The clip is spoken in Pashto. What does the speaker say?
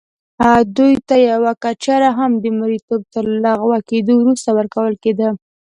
دوی ته یوه کچره هم د مریتوب تر لغوه کېدو وروسته ورکول کېده.